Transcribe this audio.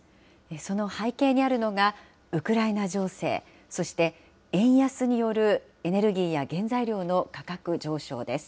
その背景にあるのが、ウクライナ情勢、そして円安によるエネルギーや原材料の価格上昇です。